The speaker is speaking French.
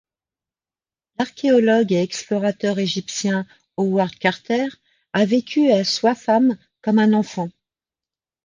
L'archéologue et explorateur égyptien Howard Carter a vécu à Swaffham comme un enfant.